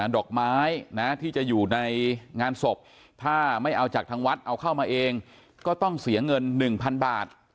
ดอกไม้ที่จะอยู่ในงานศพถ้าไม่เอาจากทางวัดเอาเข้ามาเองก็ต้องเสียเงิน๑๐๐๐บาท